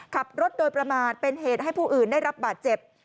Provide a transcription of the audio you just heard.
ขับรถโดยประมาทเป็นเหตุให้ผู้อื่นได้รับบาดเจ็บ